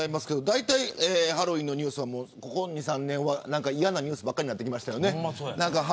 だいたいハロウィーンのニュースはここ２、３年は嫌なニュースばかりになってきました。